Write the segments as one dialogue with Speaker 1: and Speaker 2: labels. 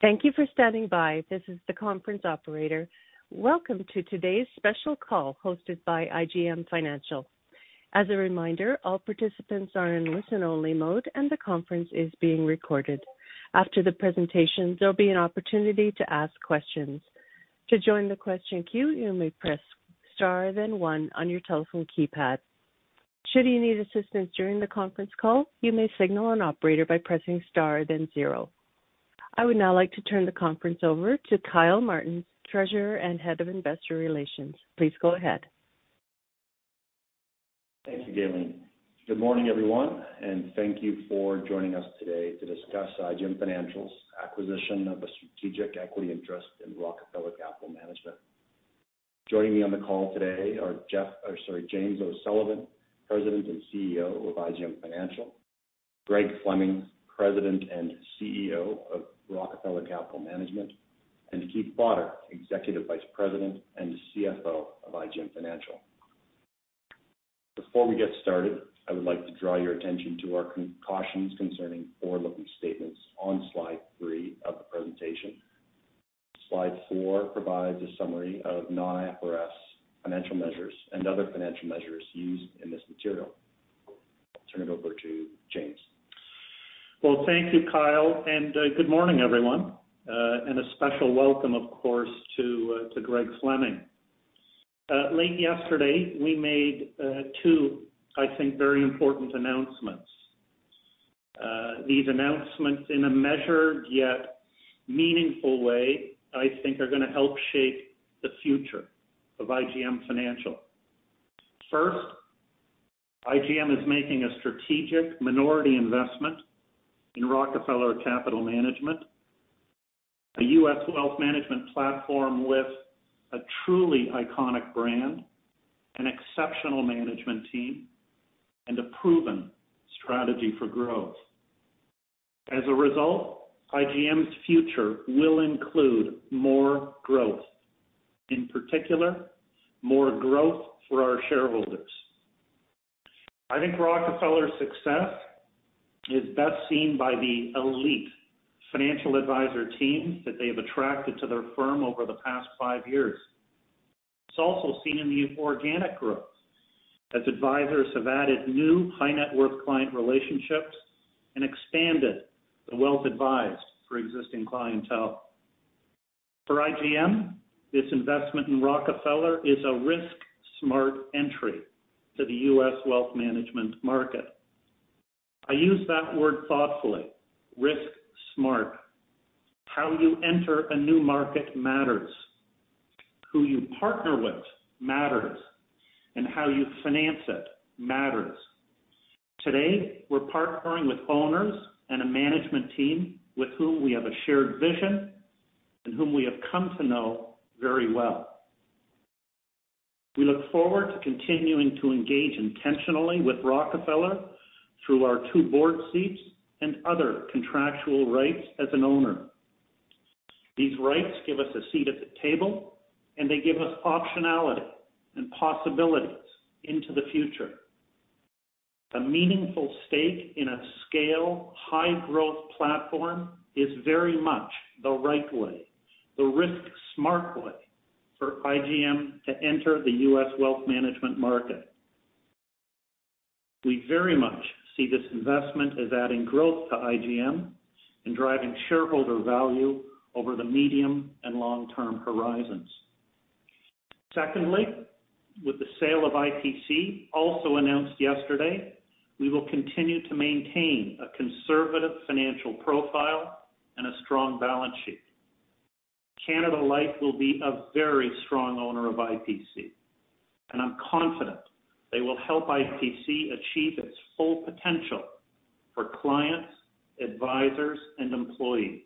Speaker 1: Thank you for standing by. This is the conference operator. Welcome to today's special call hosted by IGM Financial. As a reminder, all participants are in listen-only mode, and the conference is being recorded. After the presentation, there will be an opportunity to ask questions. To join the question queue, you may press Star then one on your telephone keypad. Should you need assistance during the conference call, you may signal an operator by pressing Star then zero. I would now like to turn the conference over to Kyle Martens, Treasurer and Head of Investor Relations. Please go ahead.
Speaker 2: Thank you, Gaylene. Good morning, everyone, and thank you for joining us today to discuss IGM Financial's acquisition of a strategic equity interest in Rockefeller Capital Management. Joining me on the call today are James O'Sullivan, President and CEO of IGM Financial, Greg Fleming, President and CEO of Rockefeller Capital Management, and Keith Potter, Executive Vice President and CFO of IGM Financial. Before we get started, I would like to draw your attention to our cautions concerning forward-looking statements on slide 3 of the presentation. Slide 4 provides a summary of non-IFRS financial measures and other financial measures used in this material. I'll turn it over to James.
Speaker 3: Thank you, Kyle, and good morning, everyone. And a special welcome, of course, to Greg Fleming. Late yesterday, we made two, I think, very important announcements. These announcements in a measured yet meaningful way, I think are gonna help shape the future of IGM Financial. First, IGM is making a strategic minority investment in Rockefeller Capital Management, a US wealth management platform with a truly iconic brand, an exceptional management team, and a proven strategy for growth. As a result, IGM's future will include more growth. In particular, more growth for our shareholders. I think Rockefeller's success is best seen by the elite financial advisor teams that they have attracted to their firm over the past five years. It's also seen in the organic growth as advisors have added new high net worth client relationships and expanded the wealth advised for existing clientele. For IGM, this investment in Rockefeller is a risk-smart entry to the U.S. wealth management market. I use that word thoughtfully, risk-smart. How you enter a new market matters, who you partner with matters, and how you finance it matters. Today, we're partnering with owners and a management team with whom we have a shared vision and whom we have come to know very well. We look forward to continuing to engage intentionally with Rockefeller through our two board seats and other contractual rights as an owner. These rights give us a seat at the table, and they give us optionality and possibilities into the future. A meaningful stake in a scale high-growth platform is very much the right way, the risk-smart way for IGM to enter the U.S. wealth management market. We very much see this investment as adding growth to IGM and driving shareholder value over the medium and long-term horizons. Secondly, with the sale of IPC, also announced yesterday, we will continue to maintain a conservative financial profile and a strong balance sheet. Canada Life will be a very strong owner of IPC, and I'm confident they will help IPC achieve its full potential for clients, advisors, and employees.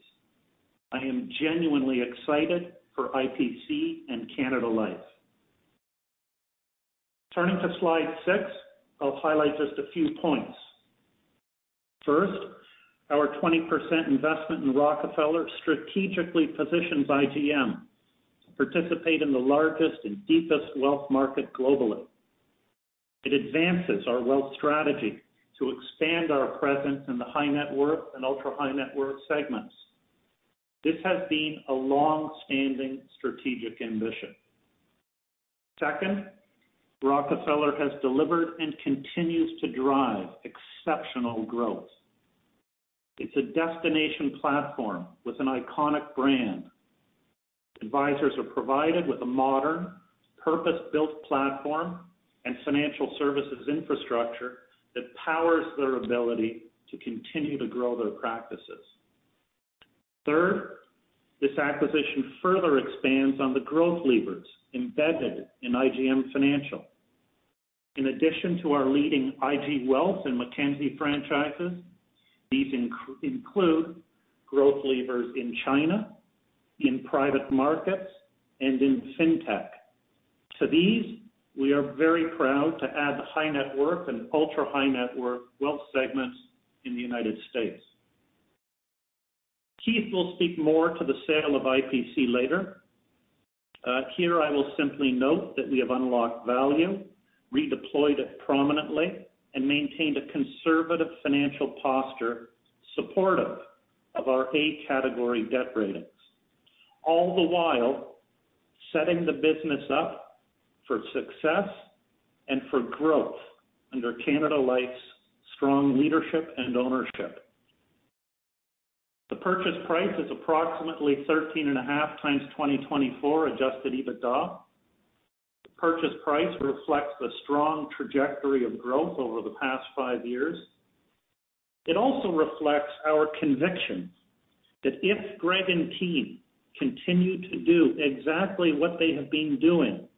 Speaker 3: I am genuinely excited for IPC and Canada Life. Turning to slide 6, I'll highlight just a few points. First, our 20% investment in Rockefeller strategically positions IGM to participate in the largest and deepest wealth market globally. It advances our wealth strategy to expand our presence in the high net worth and ultra-high net worth segments. This has been a long-standing strategic ambition. Second, Rockefeller has delivered and continues to drive exceptional growth. It's a destination platform with an iconic brand. Advisors are provided with a modern, purpose-built platform and financial services infrastructure that powers their ability to continue to grow their practices. Third, this acquisition further expands on the growth levers embedded in IGM Financial. In addition to our leading IG Wealth and Mackenzie franchises, these include growth levers in China, in private markets, and in fintech. To these, we are very proud to add the high net worth and ultra-high net worth wealth segments in the United States. Keith will speak more to the sale of IPC later. Here I will simply note that we have unlocked value, redeployed it prominently, and maintained a conservative financial posture supportive of our A category debt ratings, all the while setting the business up for success and for growth under Canada Life's strong leadership and ownership. The purchase price is approximately 13.5x 2024 adjusted EBITDA. The purchase price reflects the strong trajectory of growth over the past five years. It also reflects our conviction that if Greg and team continue to do exactly what they have been doing,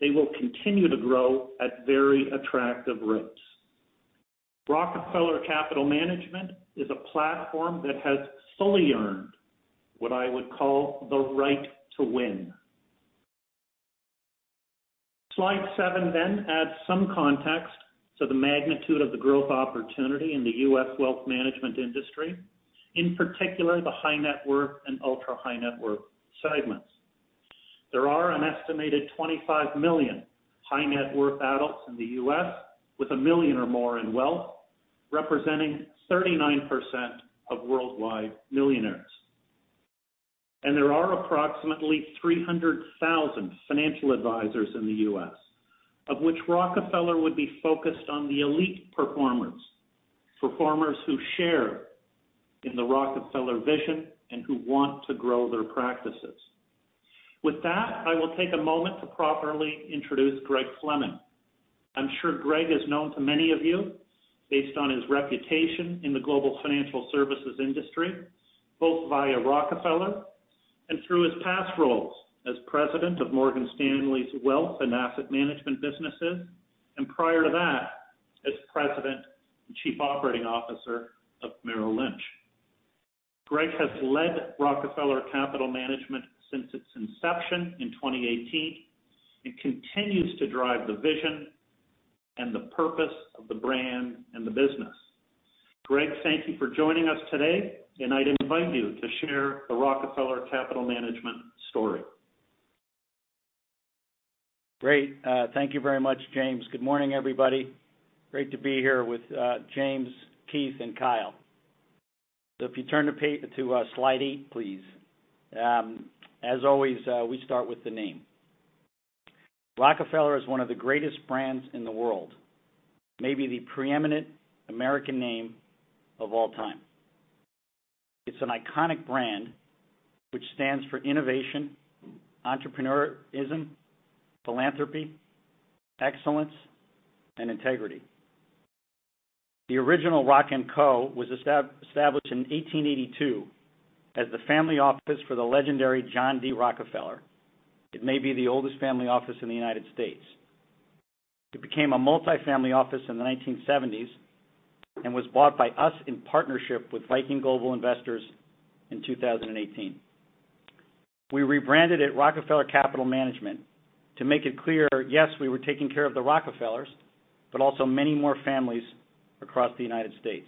Speaker 3: they will continue to grow at very attractive rates. Rockefeller Capital Management is a platform that has fully earned what I would call the right to win. Slide 7 adds some context to the magnitude of the growth opportunity in the U.S. wealth management industry, in particular the high net worth and ultra-high net worth segments. There are an estimated 25 million high net worth adults in the U.S., with $1 million or more in wealth, representing 39% of worldwide millionaires. There are approximately 300,000 financial advisors in the U.S., of which Rockefeller would be focused on the elite performers who share in the Rockefeller vision and who want to grow their practices. With that, I will take a moment to properly introduce Greg Fleming. I'm sure Greg is known to many of you based on his reputation in the global financial services industry, both via Rockefeller and through his past roles as president of Morgan Stanley's wealth and asset management businesses, and prior to that, as president and chief operating officer of Merrill Lynch. Greg has led Rockefeller Capital Management since its inception in 2018 and continues to drive the vision and the purpose of the brand and the business. Greg, thank you for joining us today, and I'd invite you to share the Rockefeller Capital Management story.
Speaker 4: Great. Thank you very much, James. Good morning, everybody. Great to be here with James, Keith, and Kyle. If you turn to slide 8, please. As always, we start with the name. Rockefeller is one of the greatest brands in the world, maybe the preeminent American name of all time. It's an iconic brand which stands for innovation, entrepreneurism, philanthropy, excellence, and integrity. The original Rock & Co was established in 1882 as the family office for the legendary John D. Rockefeller. It may be the oldest family office in the United States. It became a multifamily office in the 1970s and was bought by us in partnership with Viking Global Investors in 2018. We rebranded it Rockefeller Capital Management to make it clear, yes, we were taking care of the Rockefellers, but also many more families across the United States.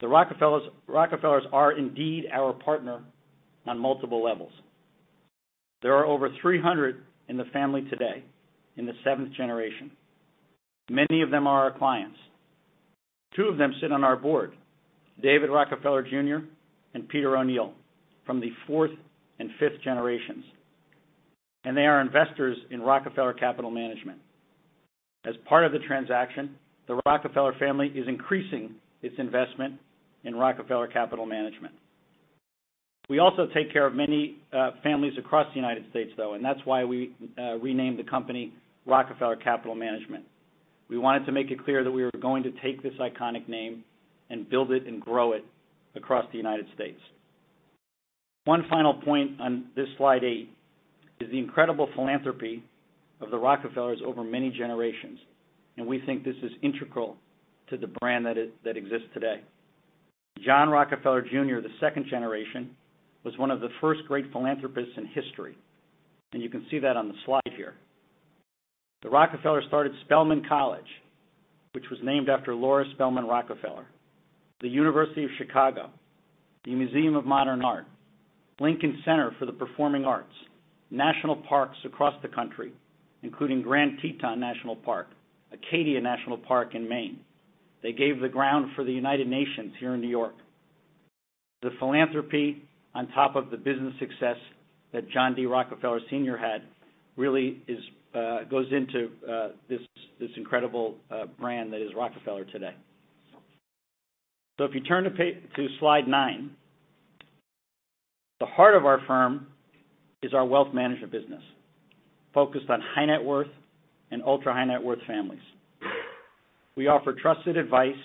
Speaker 4: The Rockefellers are indeed our partner on multiple levels. There are over 300 in the family today in the seventh generation. Many of them are our clients. Two of them sit on our board, David Rockefeller Jr. and Peter O'Neill from the fourth and fifth generations. They are investors in Rockefeller Capital Management. As part of the transaction, the Rockefeller family is increasing its investment in Rockefeller Capital Management. We also take care of many families across the United States, though. That's why we renamed the company Rockefeller Capital Management. We wanted to make it clear that we were going to take this iconic name and build it and grow it across the United States. One final point on this slide 8 is the incredible philanthropy of the Rockefellers over many generations, and we think this is integral to the brand that exists today. John D. Rockefeller Jr., the second generation, was one of the first great philanthropists in history, and you can see that on the slide here. The Rockefellers started Spelman College, which was named after Laura Spelman Rockefeller, the University of Chicago, the Museum of Modern Art, Lincoln Center for the Performing Arts, national parks across the country, including Grand Teton National Park, Acadia National Park in Maine. They gave the ground for the United Nations here in New York. The philanthropy on top of the business success that John D. Rockefeller Sr. had really is, goes into this incredible brand that is Rockefeller today. If you turn to slide 9. The heart of our firm is our wealth management business, focused on high net worth and ultra-high net worth families. We offer trusted advice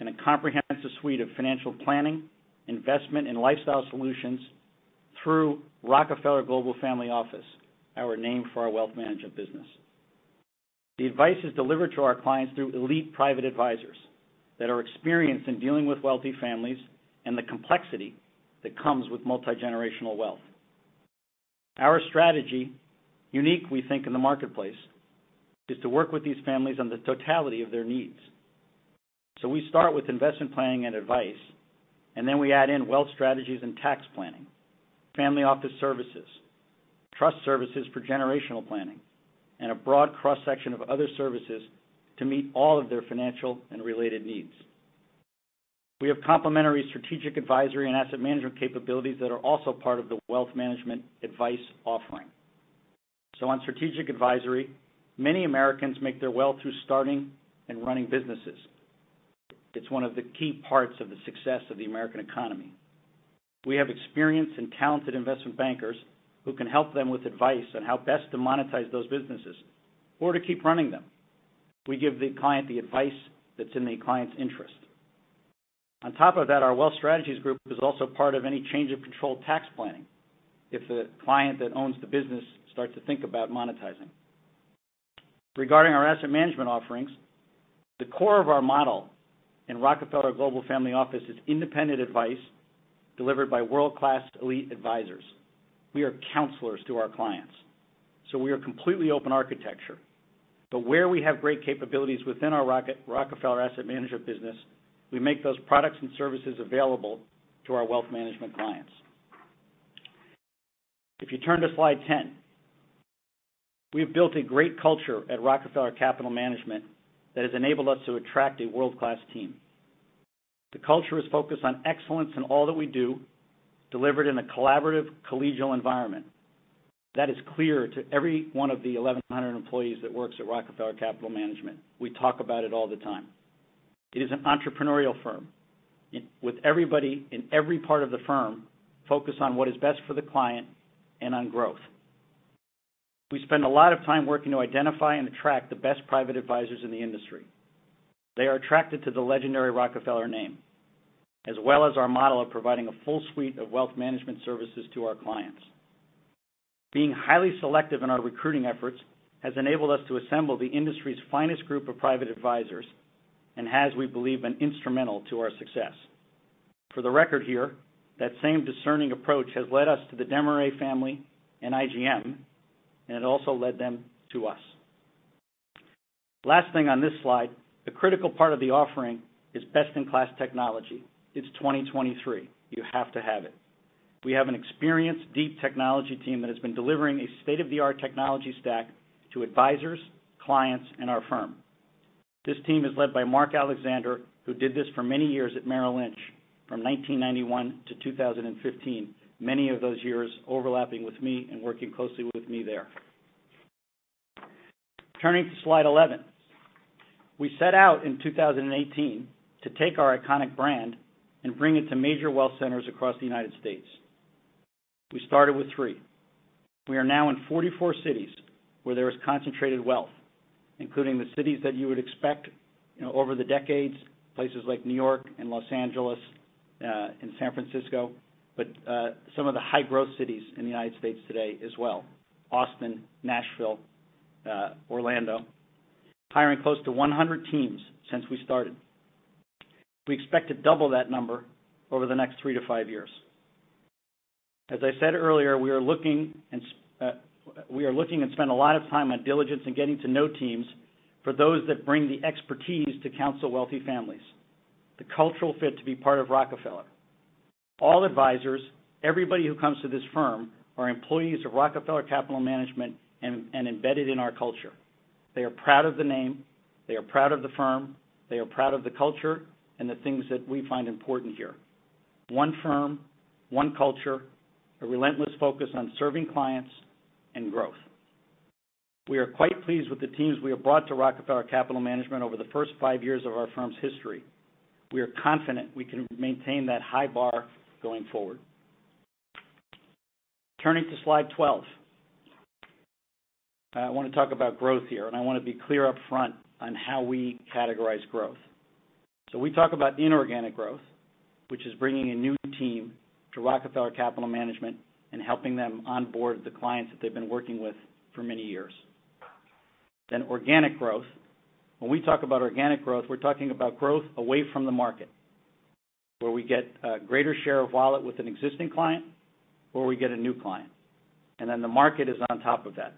Speaker 4: and a comprehensive suite of financial planning, investment, and lifestyle solutions through Rockefeller Global Family Office, our name for our wealth management business. The advice is delivered to our clients through elite private advisors that are experienced in dealing with wealthy families and the complexity that comes with multigenerational wealth. Our strategy, unique, we think, in the marketplace, is to work with these families on the totality of their needs. We start with investment planning and advice, and then we add in wealth strategies and tax planning, family office services, trust services for generational planning, and a broad cross-section of other services to meet all of their financial and related needs. We have complementary strategic advisory and asset management capabilities that are also part of the wealth management advice offering. On strategic advisory, many Americans make their wealth through starting and running businesses. It's one of the key parts of the success of the American economy. We have experienced and talented investment bankers who can help them with advice on how best to monetize those businesses or to keep running them. We give the client the advice that's in the client's interest. On top of that, our wealth strategies group is also part of any change of control tax planning if the client that owns the business starts to think about monetizing. Regarding our asset management offerings, the core of our model in Rockefeller Global Family Office is independent advice delivered by world-class elite advisors. We are counselors to our clients, so we are completely open architecture. Where we have great capabilities within our Rockefeller Asset Management business, we make those products and services available to our wealth management clients. You turn to slide 10, we have built a great culture at Rockefeller Capital Management that has enabled us to attract a world-class team. The culture is focused on excellence in all that we do, delivered in a collaborative, collegial environment. That is clear to every one of the 1,100 employees that works at Rockefeller Capital Management. We talk about it all the time. It is an entrepreneurial firm with everybody in every part of the firm focused on what is best for the client and on growth. We spend a lot of time working to identify and attract the best private advisors in the industry. They are attracted to the legendary Rockefeller name, as well as our model of providing a full suite of wealth management services to our clients. Being highly selective in our recruiting efforts has enabled us to assemble the industry's finest group of private advisors and has, we believe, been instrumental to our success. For the record here, that same discerning approach has led us to the Desmarais family and IGM, and it also led them to us. Last thing on this slide, the critical part of the offering is best-in-class technology. It's 2023. You have to have it. We have an experienced, deep technology team that has been delivering a state-of-the-art technology stack to advisors, clients, and our firm. This team is led by Mark Alexander, who did this for many years at Merrill Lynch from 1991 to 2015, many of those years overlapping with me and working closely with me there. Turning to slide 11. We set out in 2018 to take our iconic brand and bring it to major wealth centers across the United States. We started with three. We are now in 44 cities where there is concentrated wealth, including the cities that you would expect over the decades, places like New York and Los Angeles, and San Francisco, but some of the high-growth cities in the United States today as well, Austin, Nashville, Orlando. Hiring close to 100 teams since we started. We expect to double that number over the next 3-5 years. As I said earlier, we are looking and spend a lot of time on diligence and getting to know teams for those that bring the expertise to counsel wealthy families. The cultural fit to be part of Rockefeller. All advisors, everybody who comes to this firm, are employees of Rockefeller Capital Management and embedded in our culture. They are proud of the name. They are proud of the firm. They are proud of the culture and the things that we find important here. One firm, one culture, a relentless focus on serving clients and growth. We are quite pleased with the teams we have brought to Rockefeller Capital Management over the first five years of our firm's history. We are confident we can maintain that high bar going forward. Turning to slide 12. I want to talk about growth here. I want to be clear up front on how we categorize growth. We talk about inorganic growth, which is bringing a new team to Rockefeller Capital Management and helping them onboard the clients that they've been working with for many years. Organic growth. When we talk about organic growth, we're talking about growth away from the market, where we get a greater share of wallet with an existing client, or we get a new client, the market is on top of that.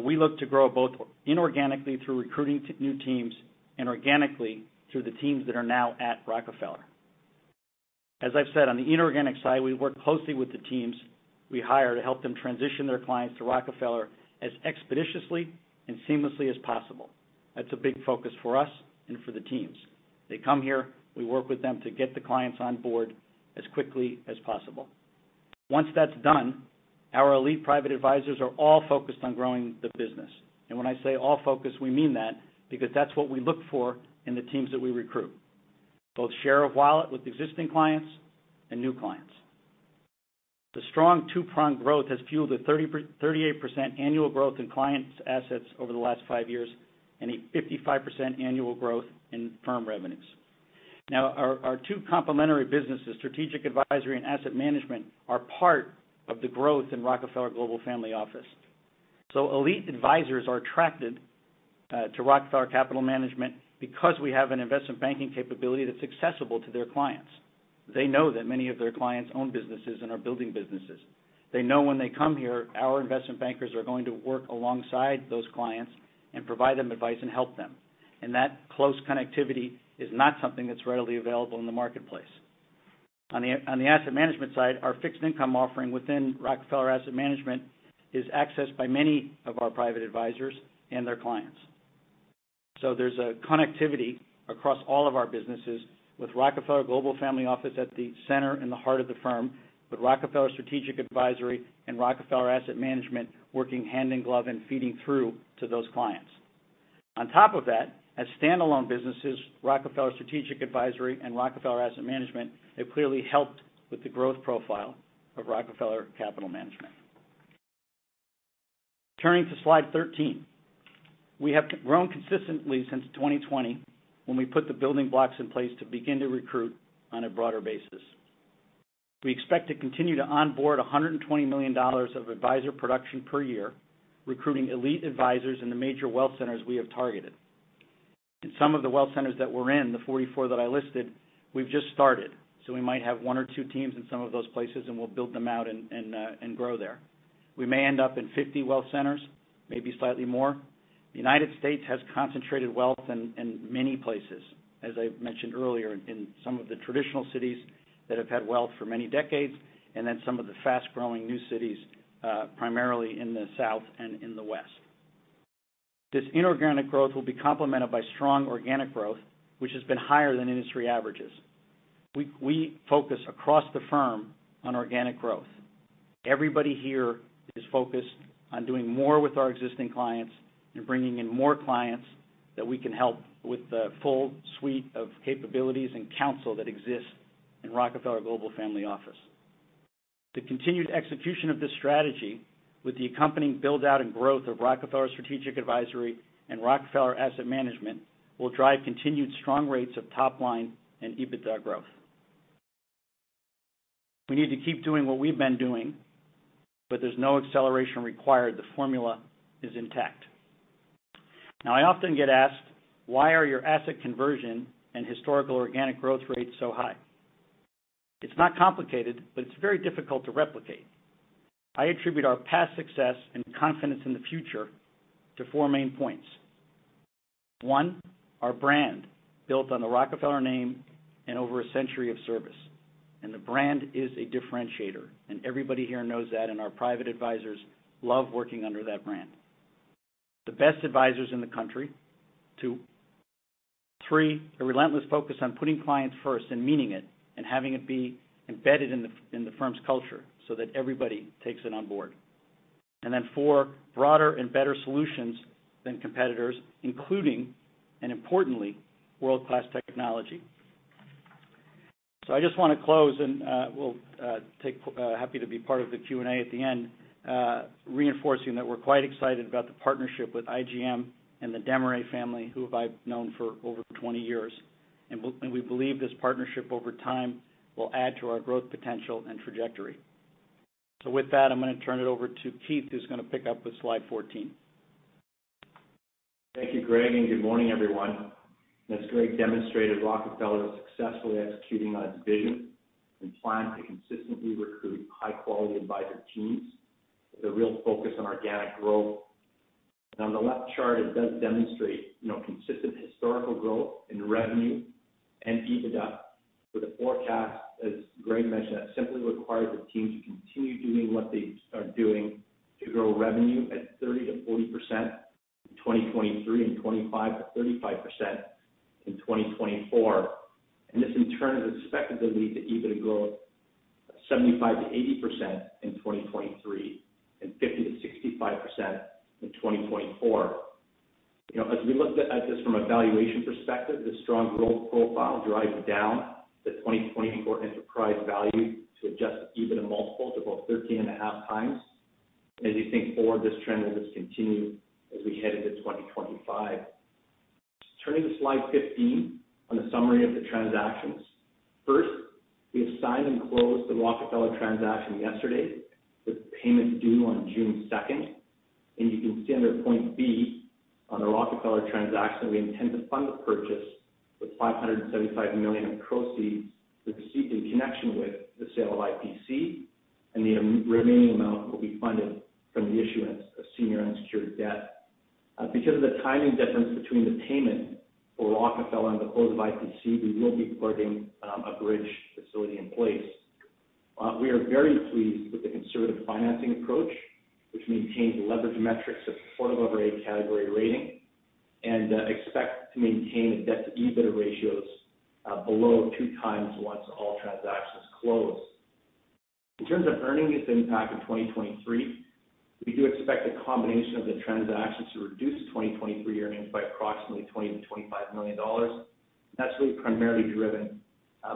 Speaker 4: We look to grow both inorganically through recruiting new teams and organically through the teams that are now at Rockefeller. As I've said, on the inorganic side, we work closely with the teams we hire to help them transition their clients to Rockefeller as expeditiously and seamlessly as possible. That's a big focus for us and for the teams. They come here, we work with them to get the clients on board as quickly as possible. Once that's done, our elite private advisors are all focused on growing the business. When I say all focused, we mean that because that's what we look for in the teams that we recruit, both share of wallet with existing clients and new clients. The strong two-pronged growth has fueled a 38% annual growth in clients' assets over the last 5 years and a 55% annual growth in firm revenues. Our, our two complementary businesses, strategic advisory and asset management, are part of the growth in Rockefeller Global Family Office. Elite advisors are attracted to Rockefeller Capital Management because we have an investment banking capability that's accessible to their clients. They know that many of their clients own businesses and are building businesses. They know when they come here, our investment bankers are going to work alongside those clients and provide them advice and help them. That close connectivity is not something that's readily available in the marketplace. On the asset management side, our fixed income offering within Rockefeller Asset Management is accessed by many of our private advisors and their clients. There's a connectivity across all of our businesses with Rockefeller Global Family Office at the center in the heart of the firm, with Rockefeller Strategic Advisory and Rockefeller Asset Management working hand in glove and feeding through to those clients. On top of that, as standalone businesses, Rockefeller Strategic Advisory and Rockefeller Asset Management have clearly helped with the growth profile of Rockefeller Capital Management. Turning to slide 13. We have grown consistently since 2020 when we put the building blocks in place to begin to recruit on a broader basis. We expect to continue to onboard $120 million of advisor production per year, recruiting elite advisors in the major wealth centers we have targeted. In some of the wealth centers that we're in, the 44 that I listed, we've just started. We might have one or two teams in some of those places, and we'll build them out and grow there. We may end up in 50 wealth centers, maybe slightly more. The United States has concentrated wealth in many places, as I mentioned earlier, in some of the traditional cities that have had wealth for many decades, and then some of the fast-growing new cities, primarily in the South and in the West. This inorganic growth will be complemented by strong organic growth, which has been higher than industry averages. We focus across the firm on organic growth. Everybody here is focused on doing more with our existing clients and bringing in more clients that we can help with the full suite of capabilities and counsel that exists in Rockefeller Global Family Office. The continued execution of this strategy with the accompanying build-out and growth of Rockefeller Strategic Advisory and Rockefeller Asset Management will drive continued strong rates of top line and EBITDA growth. We need to keep doing what we've been doing, but there's no acceleration required. The formula is intact. I often get asked, why are your asset conversion and historical organic growth rates so high? It's not complicated, but it's very difficult to replicate. I attribute our past success and confidence in the future to four main points. One, our brand, built on the Rockefeller name and over a century of service. The brand is a differentiator, and everybody here knows that, and our private advisors love working under that brand. The best advisors in the country, two. Three, a relentless focus on putting clients first and meaning it and having it be embedded in the, in the firm's culture so that everybody takes it on board. Four, broader and better solutions than competitors, including and importantly, world-class technology. I just want to close, and we'll take happy to be part of the Q&A at the end, reinforcing that we're quite excited about the partnership with IGM and the Desmarais family, who I've known for over 20 years. We believe this partnership over time will add to our growth potential and trajectory. With that, I'm going to turn it over to Keith, who's going to pick up with slide 14.
Speaker 5: Thank you, Greg, and good morning, everyone. As Greg demonstrated, Rockefeller is successfully executing on its vision and plan to consistently recruit high-quality advisor teams with a real focus on organic growth. On the left chart, it does demonstrate consistent historical growth in revenue and EBITDA with a forecast, as Greg mentioned, that simply requires the team to continue doing what they are doing to grow revenue at 30%-40% in 2023, and 25%-35% in 2024. This in turn is expected to lead to EBITDA growth 75%-80% in 2023 and 50%-65% in 2024. You know, as we look at this from a valuation perspective, the strong growth profile drives down the 2024 enterprise value to adjust EBITDA multiples of about 13.5x. As you think forward, this trend will just continue as we head into 2025. Turning to slide 15 on the summary of the transactions. First, we have signed and closed the Rockefeller transaction yesterday, with payment due on June 2nd. You can see under point B on the Rockefeller transaction, we intend to fund the purchase with $575 million of proceeds received in connection with the sale of IPC, and the remaining amount will be funded from the issuance of senior unsecured debt. Because of the timing difference between the payment for Rockefeller and the close of IPC, we will be putting a bridge facility in place. We are very pleased with the conservative financing approach, which maintains leverage metrics supportive of a A category rating, and expect to maintain a debt-to-EBITDA ratios below 2 times once all transactions close. In terms of earnings impact in 2023, we do expect the combination of the transactions to reduce $20 million-$25 million. That's really primarily driven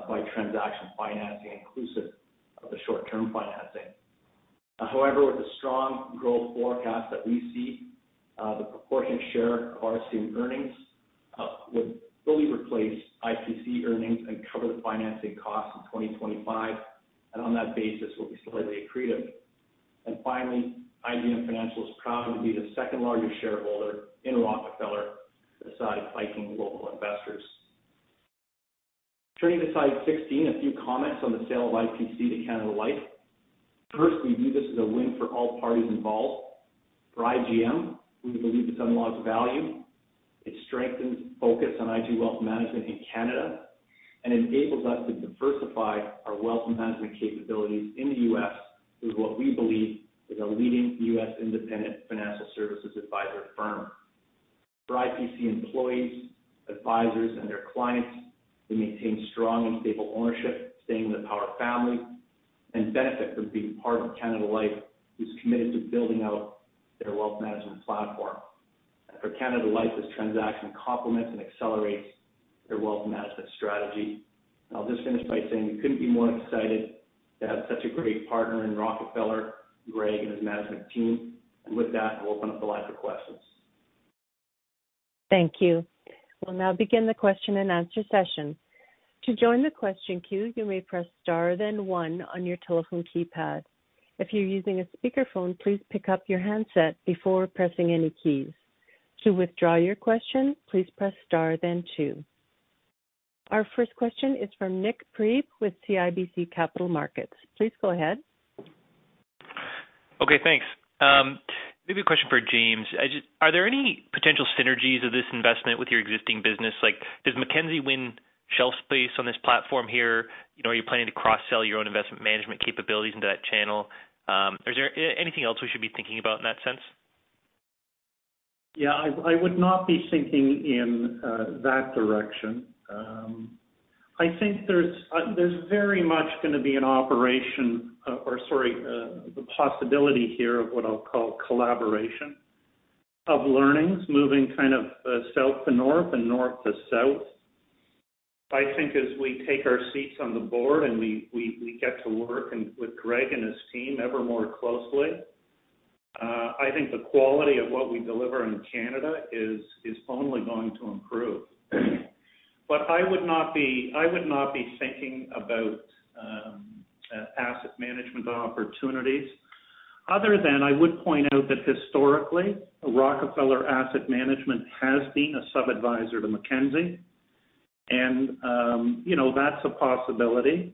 Speaker 5: by transaction financing inclusive of the short-term financing. However, with the strong growth forecast that we see, the proportionate share of RCM earnings would fully replace IPC earnings and cover the financing costs in 2025, and on that basis will be slightly accretive. Finally, IGM Financial is proud to be the second largest shareholder in Rockefeller beside Viking Global Investors. Turning to slide 16, a few comments on the sale of IPC to Canada Life. First, we view this as a win for all parties involved. For IGM, we believe this unlocks value. It strengthens focus on IG Wealth Management in Canada, and enables us to diversify our wealth management capabilities in the U.S. through what we believe is a leading U.S. independent financial services advisor firm. For IPC employees, advisors, and their clients, they maintain strong and stable ownership, staying with our family, and benefit from being part of Canada Life, who's committed to building out their wealth management platform. For Canada Life, this transaction complements and accelerates their wealth management strategy. I'll just finish by saying we couldn't be more excited to have such a great partner in Rockefeller, Greg, and his management team. With that, I'll open up the line for questions.
Speaker 1: Thank you. We'll now begin the question and answer session. To join the question queue, you may press star then one on your telephone keypad. If you're using a speakerphone, please pick up your handset before pressing any keys. To withdraw your question, please press star then two. Our first question is from Nik Priebe with CIBC Capital Markets. Please go ahead.
Speaker 6: Thanks. Maybe a question for James. Are there any potential synergies of this investment with your existing business? Like, does Mackenzie win shelf space on this platform here? You know, are you planning to cross-sell your own investment management capabilities into that channel? Is there anything else we should be thinking about in that sense?
Speaker 3: I would not be thinking in that direction. I think there's very much gonna be an operation, the possibility here of what I'll call collaboration of learnings moving kind of south to north and north to south. I think as we take our seats on the board and we get to work with Greg and his team ever more closely, I think the quality of what we deliver in Canada is only going to improve. I would not be thinking about asset management opportunities other than I would point out that historically, Rockefeller Asset Management has been a sub-adviser to Mackenzie Investments, and you know, that's a possibility.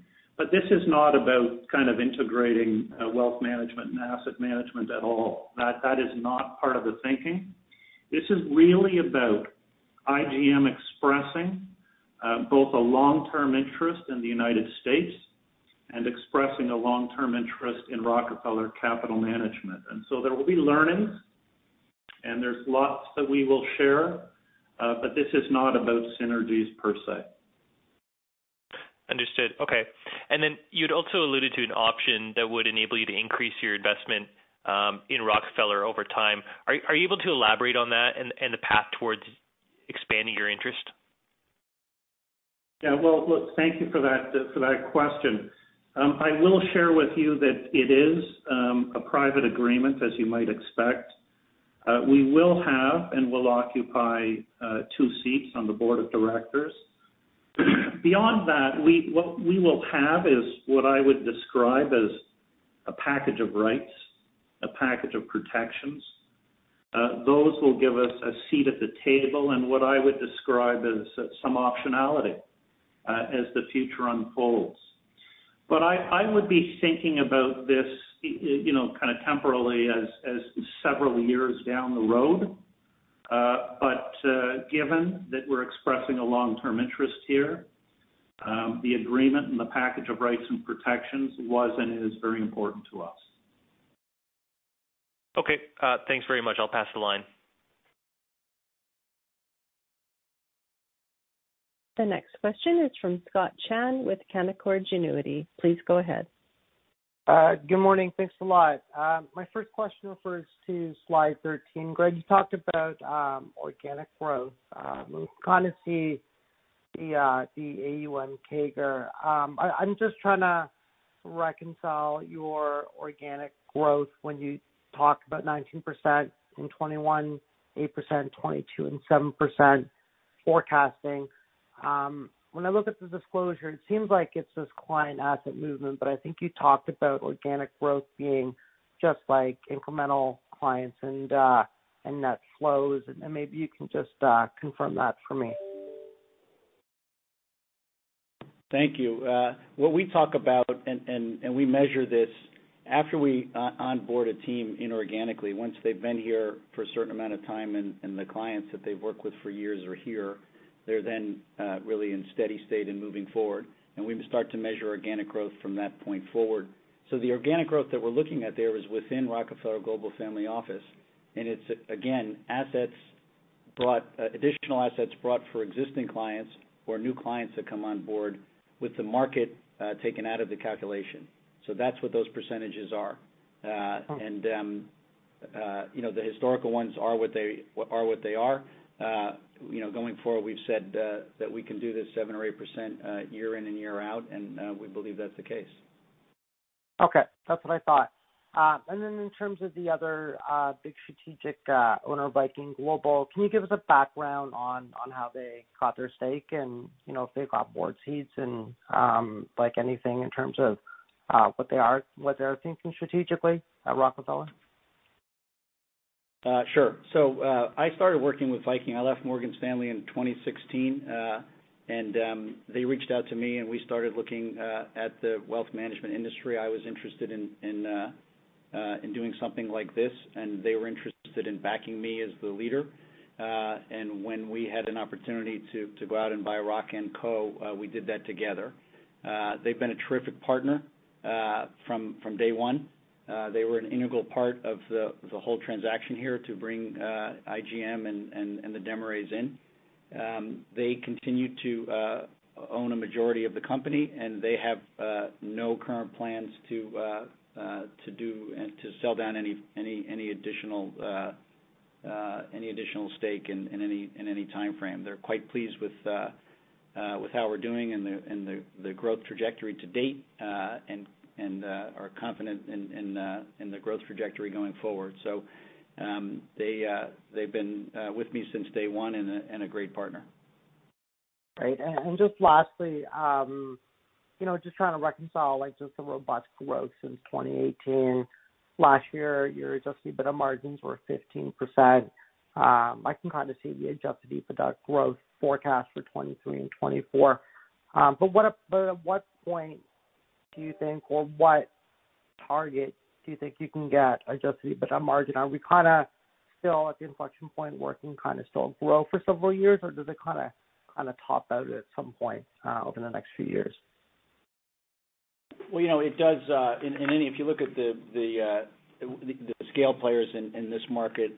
Speaker 3: This is not about kind of integrating wealth management and asset management at all. That is not part of the thinking. This is really about IGM expressing, both a long-term interest in the United States and expressing a long-term interest in Rockefeller Capital Management. There will be learnings, and there's lots that we will share, but this is not about synergies per se.
Speaker 6: Understood. Okay. Then you'd also alluded to an option that would enable you to increase your investment in Rockefeller over time. Are you able to elaborate on that and the path towards expanding your interest?
Speaker 3: Well, look, thank you for that, for that question. I will share with you that it is a private agreement, as you might expect. We will have and will occupy 2 seats on the board of directors. Beyond that, what we will have is what I would describe as a package of rights, a package of protections. Those will give us a seat at the table and what I would describe as some optionality as the future unfolds. I would be thinking about this, you know, kind of temporally as several years down the road. Given that we're expressing a long-term interest here, the agreement and the package of rights and protections was and is very important to us.
Speaker 6: Okay, thanks very much. I'll pass the line.
Speaker 1: The next question is from Scott Chan with Canaccord Genuity. Please go ahead.
Speaker 7: Good morning. Thanks a lot. My first question refers to slide 13. Greg, you talked about organic growth. When we kinda see the AUM CAGR. I'm just trying to reconcile your organic growth when you talk about 19% in 2021, 8% 2022, and 7% forecasting. When I look at the disclosure, it seems like it's this client asset movement, but I think you talked about organic growth being just like incremental clients and net flows. Maybe you can just confirm that for me.
Speaker 4: Thank you. What we talk about, and we measure this after we onboard a team inorganically, once they've been here for a certain amount of time and the clients that they've worked with for years are here, they're then really in steady state and moving forward, and we start to measure organic growth from that point forward. The organic growth that we're looking at there is within Rockefeller Global Family Office, and it's, again, assets brought, additional assets brought for existing clients or new clients that come on board with the market, taken out of the calculation. That's what those percentages are.
Speaker 7: Okay.
Speaker 4: You know, the historical ones are what they are. You know, going forward, we've said, that we can do this 7% or 8%, year in and year out, and, we believe that's the case.
Speaker 7: Okay. That's what I thought. Then in terms of the other, big strategic, owner, Viking Global, can you give us a background on how they got their stake and, you know, if they've got board seats and, like anything in terms of, what they are, what they're thinking strategically at Rockefeller?
Speaker 4: Sure. I started working with Viking. I left Morgan Stanley in 2016. They reached out to me, and we started looking at the wealth management industry. I was interested in doing something like this, and they were interested in backing me as the leader. When we had an opportunity to go out and buy Rockefeller & Co., we did that together. They've been a terrific partner from day one. They were an integral part of the whole transaction here to bring IGM and the Desmarais in. They continue to own a majority of the company. They have no current plans to sell down any additional stake in any timeframe. They're quite pleased with how we're doing and the growth trajectory to date and are confident in the growth trajectory going forward. They've been with me since day one and a great partner.
Speaker 7: Great. Just lastly, you know, just trying to reconcile, like, just the robust growth since 2018. Last year, your adjusted EBITDA margins were 15%. I can kind of see the adjusted EBITDA growth forecast for 2023 and 2024. At what point do you think or what target do you think you can get adjusted EBITDA margin? Are we kind of still at the inflection point working kind of slow growth for several years, or does it kind of top out at some point over the next few years?
Speaker 4: You know, it does, If you look at the scale players in this market,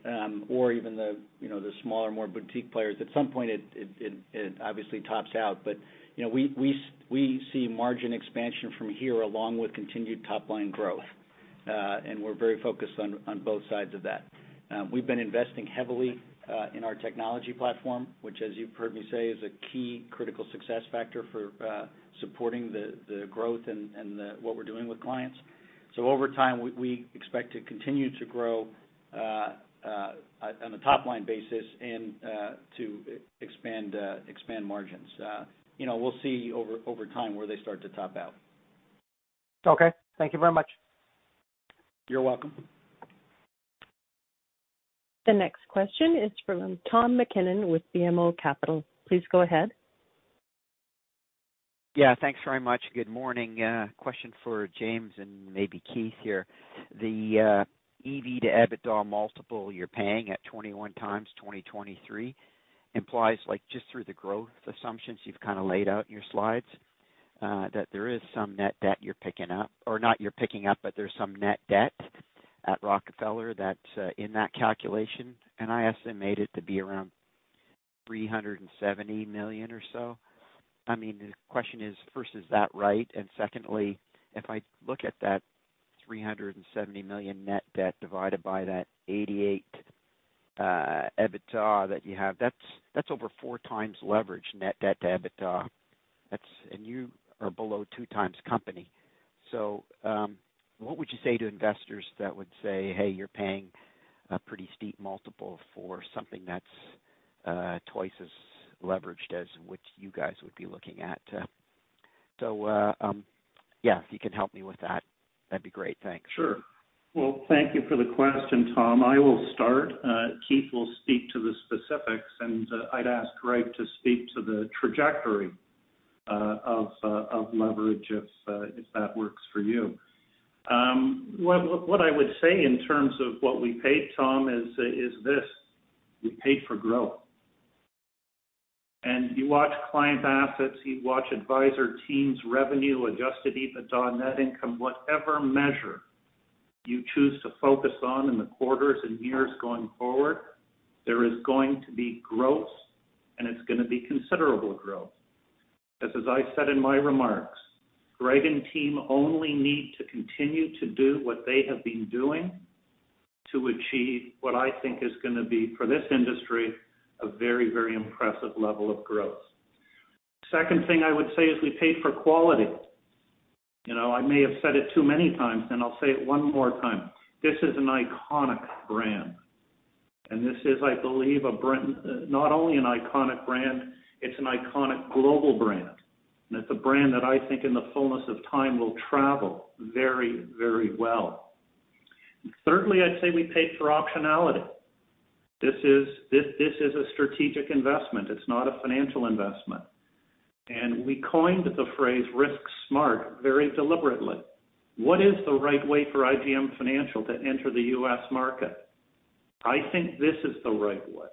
Speaker 4: or even the, you know, the smaller, more boutique players, at some point it obviously tops out. You know, we see margin expansion from here along with continued top-line growth. We're very focused on both sides of that. We've been investing heavily in our technology platform, which, as you've heard me say, is a key critical success factor for supporting the growth and what we're doing with clients. Over time, we expect to continue to grow on a top-line basis and to expand margins. You know, we'll see over time where they start to top out.
Speaker 7: Okay. Thank you very much.
Speaker 4: You're welcome.
Speaker 1: The next question is from Tom MacKinnon with BMO Capital. Please go ahead.
Speaker 8: Yeah, thanks very much. Good morning. Question for James and maybe Keith here. The EV/EBITDA multiple you're paying at 21 times 2023 implies, like, just through the growth assumptions you've kinda laid out in your slides, that there is some net debt you're picking up. Or not you're picking up, but there's some net debt at Rockefeller that's in that calculation. I estimate it to be around $370 million or so. I mean, the question is, first, is that right? Secondly, if I look at that $370 million net debt divided by that $88 EBITDA that you have, that's over 4 times leverage, net debt to EBITDA. That's... You are below 2 times company. What would you say to investors that would say, "Hey, you're paying a pretty steep multiple for something that's twice as leveraged as which you guys would be looking at?" Yeah, if you can help me with that'd be great. Thanks.
Speaker 3: Sure. Well, thank you for the question, Tom. I will start. Keith will speak to the specifics, and I'd ask Greg to speak to the trajectory of leverage if that works for you. What I would say in terms of what we paid, Tom, is this: We paid for growth. You watch client assets, you watch advisor teams revenue, adjusted EBITDA, net income. Whatever measure you choose to focus on in the quarters and years going forward, there is going to be growth, and it's gonna be considerable growth. As I said in my remarks, Greg and team only need to continue to do what they have been doing to achieve what I think is gonna be, for this industry, a very, very impressive level of growth. Second thing I would say is we paid for quality. You know, I may have said it too many times, and I'll say it one more time. This is an iconic brand. This is, I believe, not only an iconic brand, it's an iconic global brand. It's a brand that I think, in the fullness of time, will travel very, very well. Thirdly, I'd say we paid for optionality. This is a strategic investment. It's not a financial investment. We coined the phrase risk smart very deliberately. What is the right way for IGM Financial to enter the U.S. market? I think this is the right way.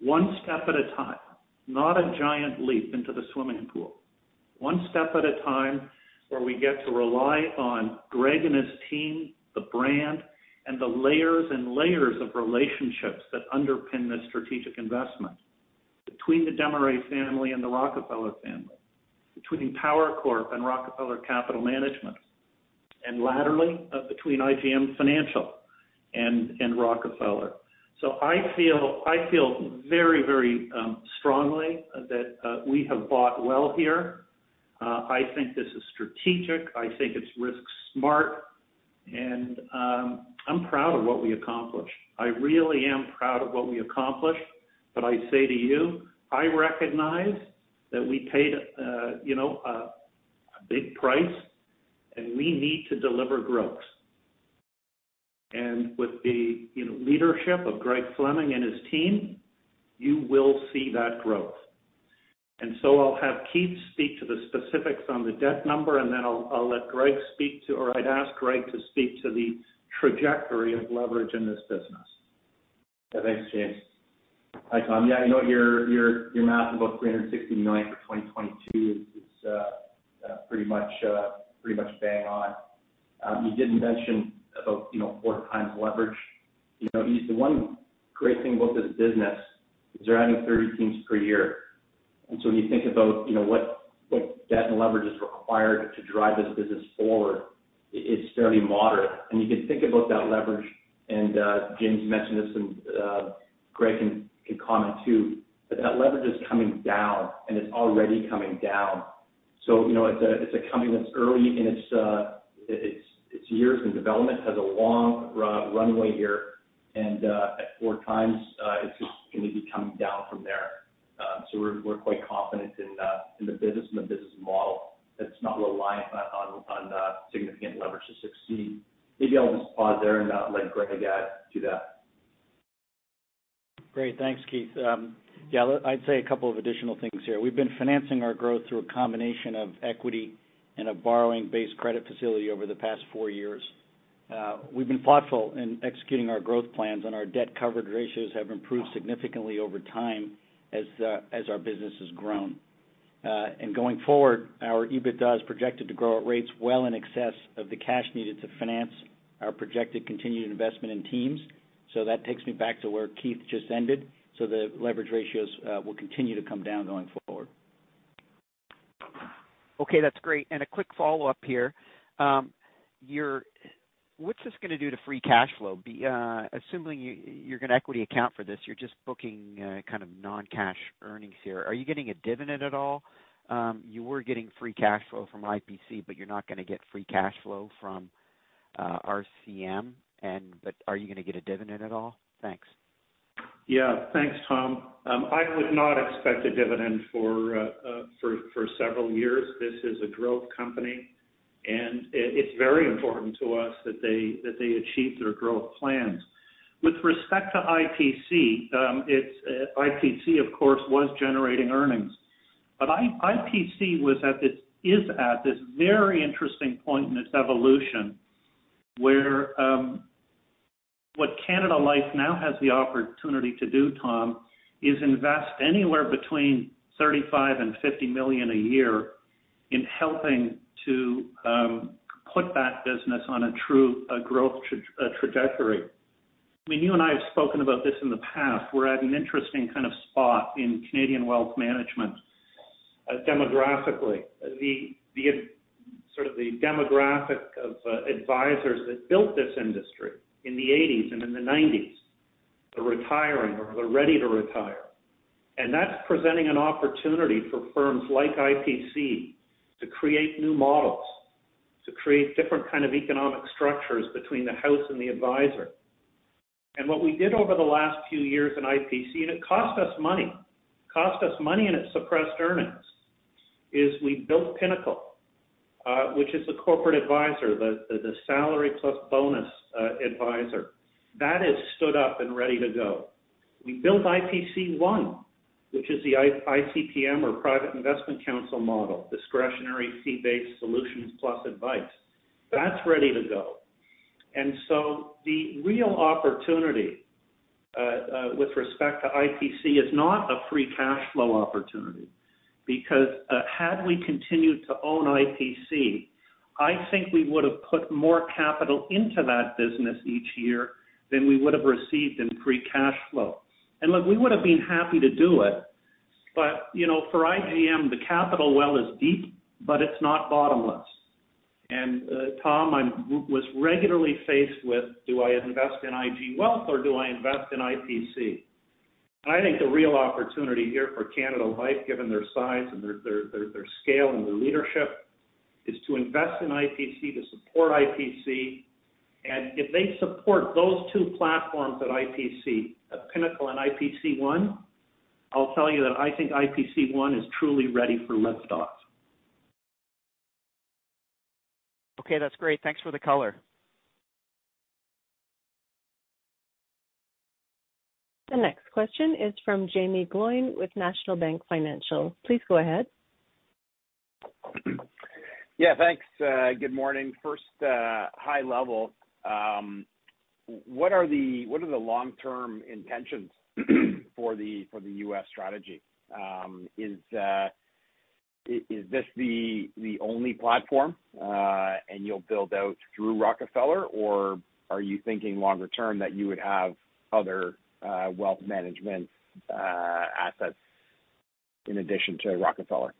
Speaker 3: One step at a time, not a giant leap into the swimming pool. One step at a time, where we get to rely on Greg and his team, the brand, and the layers and layers of relationships that underpin this strategic investment between the Desmarais family and the Rockefeller Family, between Power Corp and Rockefeller Capital Management, and laterally, between IGM Financial and Rockefeller. I feel very, very strongly that we have bought well here. I think this is strategic. I think it's risk smart. I'm proud of what we accomplished. I really am proud of what we accomplished. I say to you, I recognize that we paid, you know, a big price. We need to deliver growth. With the, you know, leadership of Greg Fleming and his team, you will see that growth. I'll have Keith speak to the specifics on the debt number, and then I'd ask Greg to speak to the trajectory of leverage in this business.
Speaker 5: Yeah. Thanks, James. Hi, Tom. Yeah, you know, your math about $360 million for 2022 is pretty much bang on. You did mention about, you know, 4x leverage. You know, the one great thing about this business is they're adding 30 teams per year. When you think about, you know, what debt and leverage is required to drive this business forward is fairly moderate. You can think about that leverage, and James mentioned this and Greg can comment too, but that leverage is coming down, and it's already coming down. It's a company that's early in its years in development, has a long runway here. At 4x, it's just going to be coming down from there. We're quite confident in the business and the business model that's not reliant on significant leverage to succeed. Maybe I'll just pause there and let Greg add to that.
Speaker 4: Great. Thanks, Keith. Yeah, I'd say a couple of additional things here. We've been financing our growth through a combination of equity and a borrowing-based credit facility over the past four years. We've been thoughtful in executing our growth plans, and our debt coverage ratios have improved significantly over time as our business has grown. Going forward, our EBITDA is projected to grow at rates well in excess of the cash needed to finance our projected continued investment in teams. That takes me back to where Keith just ended. The leverage ratios will continue to come down going forward.
Speaker 8: Okay, That's great. A quick follow-up here. What's this going to do to free cash flow? assuming you're going to equity account for this, you're just booking kind of non-cash earnings here. Are you getting a dividend at all? You were getting free cash flow from IPC, but you're not going to get free cash flow from RCM. But are you going to get a dividend at all? Thanks.
Speaker 3: Yeah. Thanks, Tom. I would not expect a dividend for several years. This is a growth company, and it's very important to us that they achieve their growth plans. With respect to IPC, it's IPC of course, was generating earnings. IPC was at this, is at this very interesting point in its evolution where what Canada Life now has the opportunity to do, Tom, is invest anywhere between 35 million and 50 million a year in helping to put that business on a true growth trajectory. I mean, you and I have spoken about this in the past. We're at an interesting kind of spot in Canadian wealth management, demographically. The sort of the demographic of advisors that built this industry in the 80s and in the 90s are retiring or they're ready to retire. That's presenting an opportunity for firms like IPC to create new models, to create different kind of economic structures between the house and the advisor. What we did over the last few years in IPC, and it cost us money and it suppressed earnings, is we built Pinnacle, which is the corporate advisor, the salary plus bonus advisor. That has stood up and ready to go. We built IPC One, which is the ICPM or Private Investment Council model, discretionary fee-based solutions plus advice. That's ready to go. The real opportunity with respect to IPC is not a free cash flow opportunity because had we continued to own IPC, I think we would have put more capital into that business each year than we would have received in free cash flow. Look, we would have been happy to do it. You know, for IGM, the capital well is deep, but it's not bottomless. Tom was regularly faced with, do I invest in IG Wealth or do I invest in IPC? I think the real opportunity here for Canada Life, given their size and their scale and their leadership, is to invest in IPC, to support IPC. If they support those two platforms at IPC, at Pinnacle and IPC One, I'll tell you that I think IPC One is truly ready for liftoff.
Speaker 8: Okay. That's great. Thanks for the color.
Speaker 1: The next question is from Jaeme Gloyn with National Bank Financial. Please go ahead.
Speaker 9: Thanks. Good morning. First, high-level, what are the long-term intentions for the U.S. strategy? Is this the only platform and you'll build out through Rockefeller? Are you thinking longer-term that you would have other wealth management assets in addition to Rockefeller?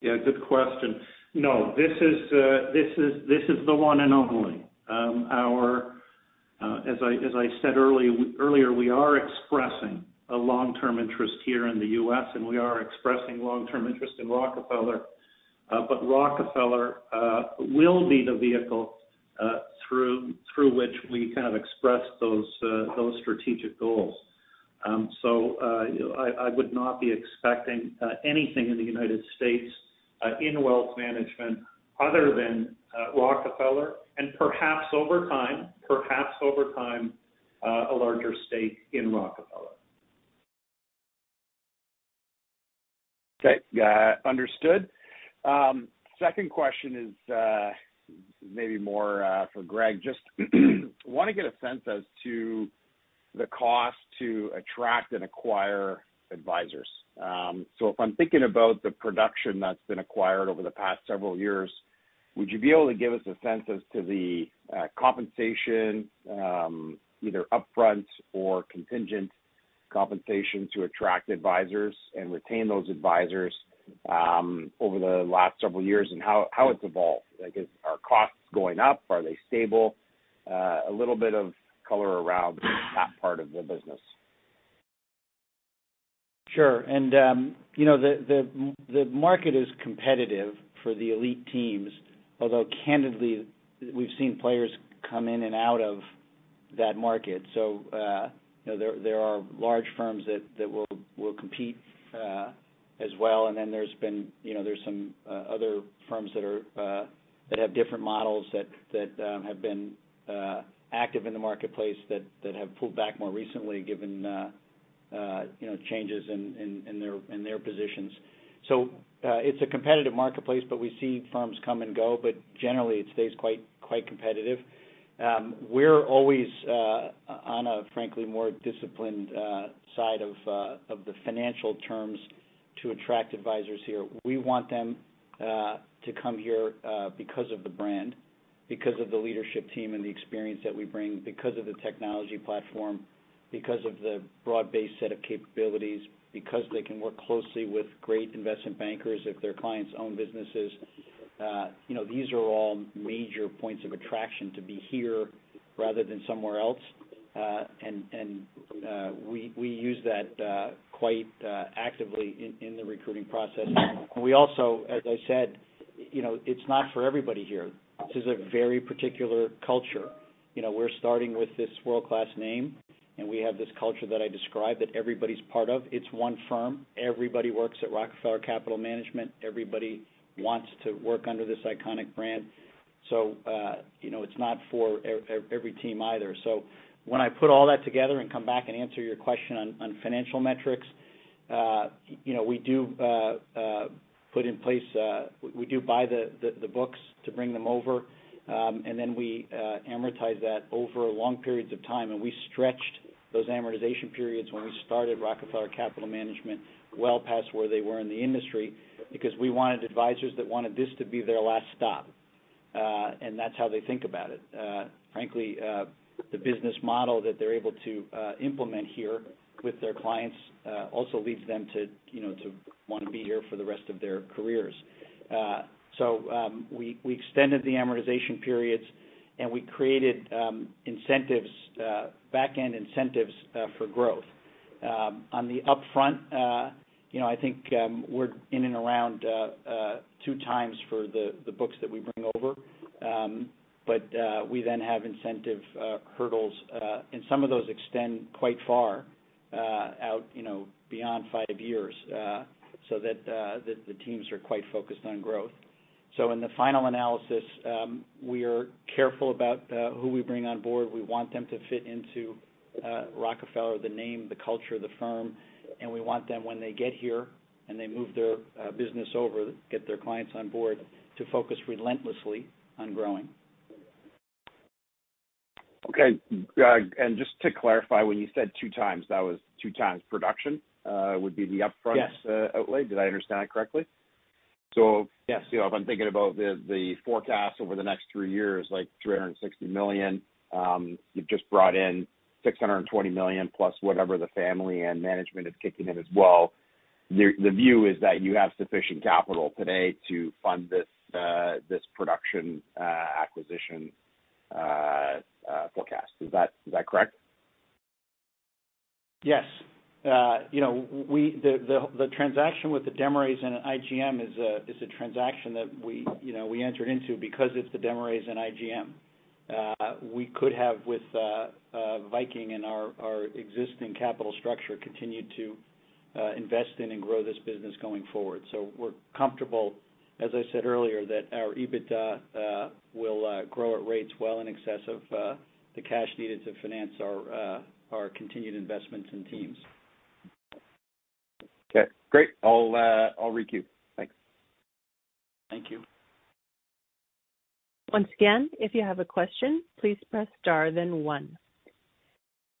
Speaker 3: Yeah, good question. No, this is the one and only. Our as I said earlier, we are expressing a long-term interest here in the U.S., and we are expressing long-term interest in Rockefeller. Rockefeller will be the vehicle through which we kind of express those strategic goals. You know, I would not be expecting anything in the United States in wealth management other than Rockefeller and perhaps over time a larger stake in Rockefeller.
Speaker 9: Okay. Understood. Second question is, maybe more for Greg. Just want to get a sense as to the cost to attract and acquire advisors. If I'm thinking about the production that's been acquired over the past several years, would you be able to give us a sense as to the compensation, either upfront or contingent compensation to attract advisors and retain those advisors, over the last several years and how it's evolved? Like are costs going up? Are they stable? A little bit of color around that part of the business.
Speaker 4: Sure. You know, the market is competitive for the elite teams, although candidly, we've seen players come in and out of that market. You know, there are large firms that will compete as well. Then there's been, you know, there's some other firms that are that have different models that have been active in the marketplace that have pulled back more recently given, you know, changes in their positions. It's a competitive marketplace, but we see firms come and go, but generally it stays quite competitive. We're always on a frankly more disciplined side of the financial terms to attract advisors here. We want them to come here because of the brand, because of the leadership team and the experience that we bring, because of the technology platform, because of the broad-based set of capabilities, because they can work closely with great investment bankers if their clients own businesses. You know, these are all major points of attraction to be here rather than somewhere else. We use that quite actively in the recruiting process. We also, as I said, you know, it's not for everybody here. This is a very particular culture. You know, we're starting with this world-class name. We have this culture that I described that everybody's part of. It's one firm. Everybody works at Rockefeller Capital Management. Everybody wants to work under this iconic brand. You know, it's not for every team either. When I put all that together and come back and answer your question on financial metrics, you know, we do put in place. We do buy the books to bring them over, and then we amortize that over long periods of time. We stretched those amortization periods when we started Rockefeller Capital Management well past where they were in the industry because we wanted advisors that wanted this to be their last stop. That's how they think about it. Frankly, the business model that they're able to implement here with their clients also leads them to, you know, to want to be here for the rest of their careers. We extended the amortization periods and we created incentives, back-end incentives, for growth. On the upfront, you know, I think, we're in and around 2 times for the books that we bring over. We then have incentive hurdles, and some of those extend quite far out, you know, beyond 5 years, so that the teams are quite focused on growth. In the final analysis, we are careful about who we bring on board. We want them to fit into Rockefeller, the name, the culture of the firm, and we want them when they get here and they move their business over, get their clients on board to focus relentlessly on growing.
Speaker 9: Okay. Just to clarify, when you said 2 times, that was 2 times production, would be the upfront...
Speaker 4: Yes.
Speaker 9: -outlay. Did I understand that correctly? Yes, you know, if I'm thinking about the forecast over the next three years, like 360 million, you've just brought in 620 million plus whatever the family and management is kicking in as well. The view is that you have sufficient capital today to fund this production acquisition forecast. Is that correct?
Speaker 4: Yes. you know, the transaction with the Desmarais family and IGM is a transaction that we, you know, we entered into because it's the Desmarais family and IGM. We could have with Viking Global Investors and our existing capital structure continued to invest in and grow this business going forward. We're comfortable, as I said earlier, that our EBITDA will grow at rates well in excess of the cash needed to finance our continued investments in teams.
Speaker 9: Okay, great. I'll re-queue. Thanks.
Speaker 4: Thank you.
Speaker 1: Once again, if you have a question, please press star then one.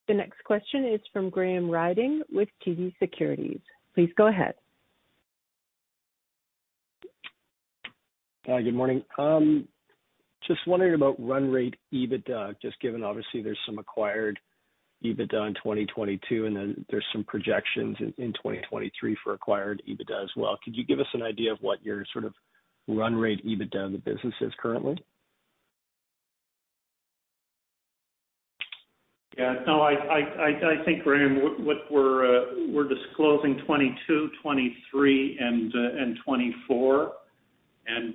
Speaker 1: The next question is from Graham Ryding with TD Securities. Please go ahead.
Speaker 10: Hi, good morning. Just wondering about run rate EBITDA, just given obviously there's some acquired EBITDA in 2022, and then there's some projections in 2023 for acquired EBITDA as well. Could you give us an idea of what your sort of run rate EBITDA of the business is currently?
Speaker 3: Yeah. No, I think, Graham, what. We're disclosing 22, 23, and 24.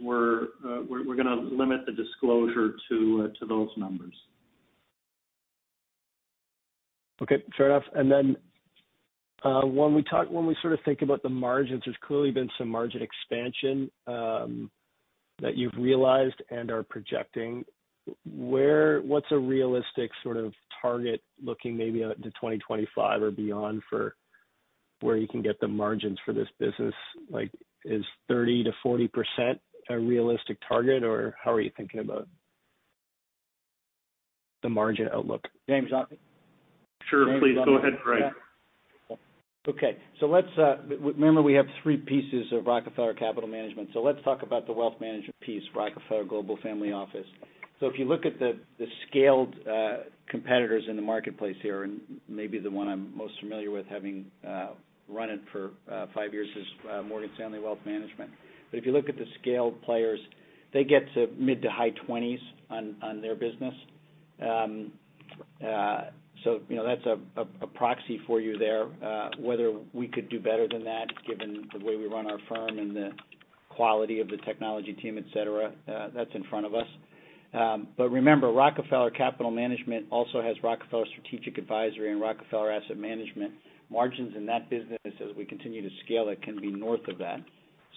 Speaker 3: We're gonna limit the disclosure to those numbers.
Speaker 10: Okay, fair enough. Then, when we sort of think about the margins, there's clearly been some margin expansion, that you've realized and are projecting. What's a realistic sort of target looking maybe out to 2025 or beyond for where you can get the margins for this business? Like, is 30%-40% a realistic target or how are you thinking about the margin outlook?
Speaker 4: James, you want me?
Speaker 3: Sure, please. Go ahead, Greg.
Speaker 4: Okay. let's remember we have three pieces of Rockefeller Capital Management. Let's talk about the wealth management piece, Rockefeller Global Family Office. If you look at the scaled competitors in the marketplace here, and maybe the one I'm most familiar with having run it for five years is Morgan Stanley Wealth Management. If you look at the scaled players, they get to mid-to-high 20s on their business. You know, that's a proxy for you there. Whether we could do better than that given the way we run our firm and the quality of the technology team, et cetera, that's in front of us. Remember, Rockefeller Capital Management also has Rockefeller Strategic Advisory and Rockefeller Asset Management. Margins in that business, as we continue to scale it, can be north of that.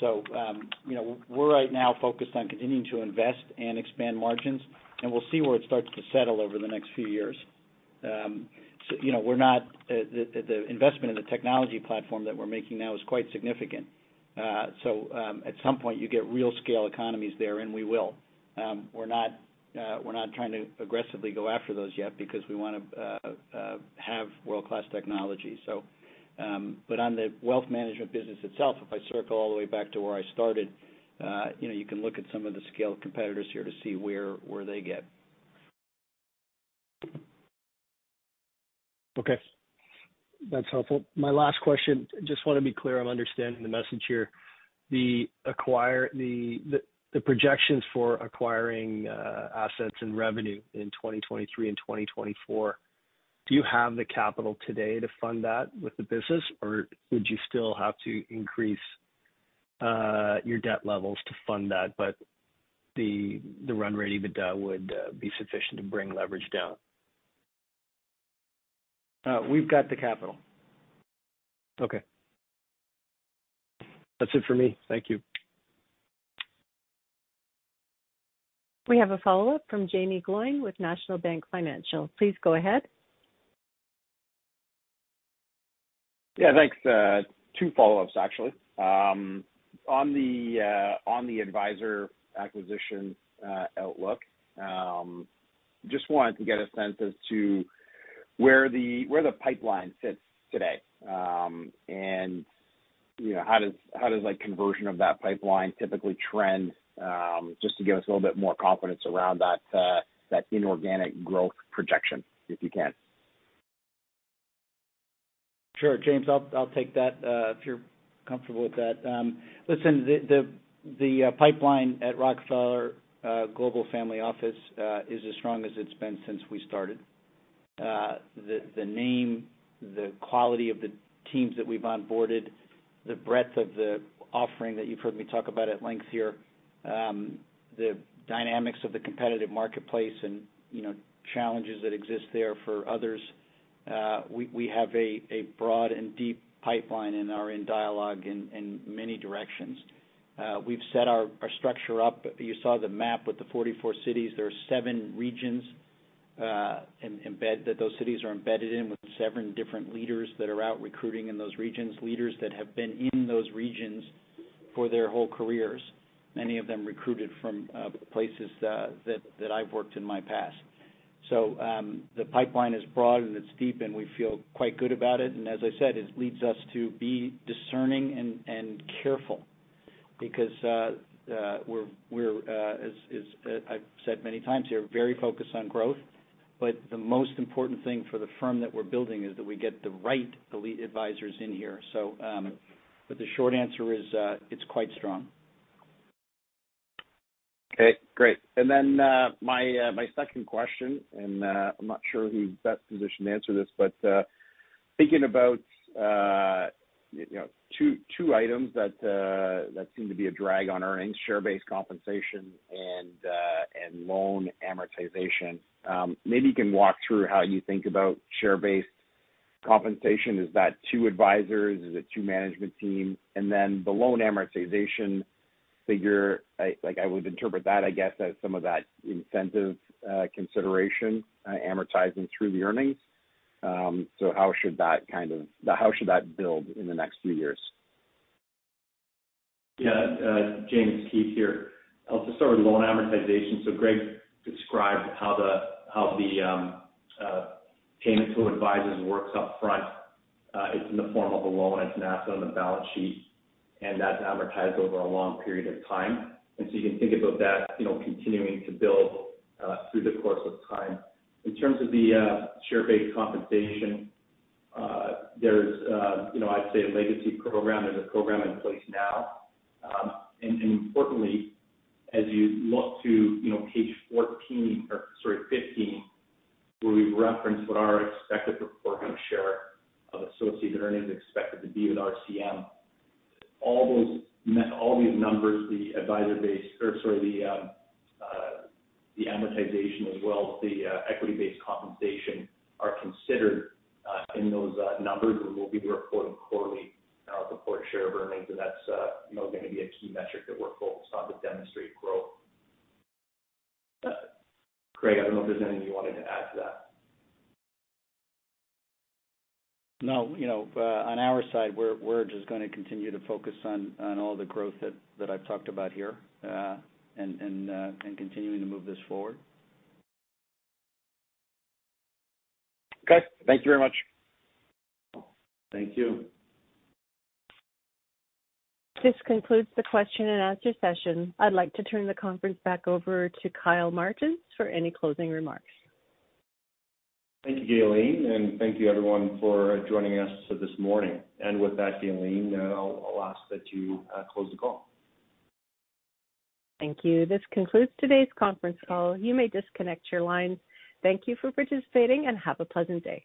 Speaker 4: you know, we're right now focused on continuing to invest and expand margins, and we'll see where it starts to settle over the next few years. you know, we're not the investment in the technology platform that we're making now is quite significant. at some point you get real scale economies there, and we will. We're not trying to aggressively go after those yet because we wanna have world-class technology. But on the wealth management business itself, if I circle all the way back to where I started, you know, you can look at some of the scaled competitors here to see where they get.
Speaker 10: Okay. That's helpful. My last question, just wanna be clear I'm understanding the message here. The projections for acquiring assets and revenue in 2023 and 2024, do you have the capital today to fund that with the business? Or would you still have to increase your debt levels to fund that, but the run rate EBITDA would be sufficient to bring leverage down?
Speaker 4: We've got the capital.
Speaker 10: Okay. That's it for me. Thank you.
Speaker 1: We have a follow-up from Jaeme Gloyn with National Bank Financial. Please go ahead.
Speaker 9: Yeah, thanks. Two follow-ups actually. On the advisor acquisition outlook, just wanted to get a sense as to where the pipeline sits today. You know, how does like conversion of that pipeline typically trend? Just to give us a little bit more confidence around that inorganic growth projection, if you can.
Speaker 4: Sure, James, I'll take that if you're comfortable with that. Listen, the pipeline at Rockefeller Global Family Office is as strong as it's been since we started. The name, the quality of the teams that we've onboarded, the breadth of the offering that you've heard me talk about at length here, the dynamics of the competitive marketplace and, you know, challenges that exist there for others. We have a broad and deep pipeline and are in dialogue in many directions. We've set our structure up. You saw the map with the 44 cities. There are 7 regions, embedded, that those cities are embedded in, with 7 different leaders that are out recruiting in those regions. Leaders that have been in those regions for their whole careers. Many of them recruited from places that I've worked in my past. The pipeline is broad and it's deep, and we feel quite good about it. As I said, it leads us to be discerning and careful because we're as I've said many times here, very focused on growth. The most important thing for the firm that we're building is that we get the right elite advisors in here. The short answer is it's quite strong.
Speaker 9: Okay, great. My second question, I'm not sure who's best positioned to answer this, but thinking about, you know, two items that seem to be a drag on earnings, share-based compensation and loan amortization. Maybe you can walk through how you think about share-based compensation. Is that two advisors? Is it two management team? The loan amortization figure, like, I would interpret that, I guess, as some of that incentive consideration amortizing through the earnings. How should that build in the next few years?
Speaker 5: Yeah. James, Keith here. I'll just start with loan amortization. Greg described how the payment to advisors works up front. It's in the form of a loan. It's an asset on the balance sheet, and that's amortized over a long period of time. You can think about that, you know, continuing to build through the course of time. In terms of the share-based compensation, there's, you know, I'd say a legacy program. There's a program in place now. Importantly, as you look to, you know, page 14 or 15, where we reference what our expected pro forma share of associate earnings are expected to be with RCM. All these numbers, the advisor base... The amortization as well as the equity-based compensation are considered in those numbers and will be reported quarterly in our reported share of earnings. That's, you know, going to be a key metric that we're focused on to demonstrate growth. Greg, I don't know if there's anything you wanted to add to that.
Speaker 4: No. You know, on our side, we're just gonna continue to focus on all the growth that I've talked about here, and continuing to move this forward.
Speaker 9: Okay. Thank you very much.
Speaker 5: Thank you.
Speaker 1: This concludes the question and answer session. I'd like to turn the conference back over to Kyle Martens for any closing remarks.
Speaker 2: Thank you, Gaylene, and thank you everyone for joining us this morning. With that, Gaylene, I'll ask that you close the call.
Speaker 1: Thank you. This concludes today's conference call. You may disconnect your lines. Thank you for participating and have a pleasant day.